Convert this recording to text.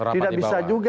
tidak bisa juga